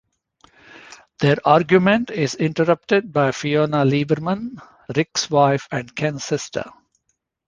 Their argument is interrupted by Fiona Lieberman, Rick's wife and Ken's sister.